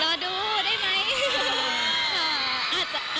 รอดูได้ไหม